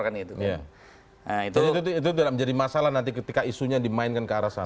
jadi itu tidak menjadi masalah nanti ketika isunya dimainkan ke arah sana